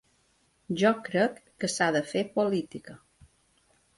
Jo crec que s’ha de fer política.